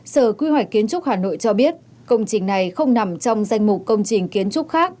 sở quy hoạch kiến trúc hà nội cho biết công trình này không nằm trong danh mục công trình kiến trúc khác